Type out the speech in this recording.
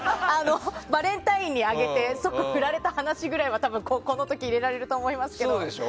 バレンタインにあげて即フラれた話ぐらいは多分、高校の時に入れられると思いますけど。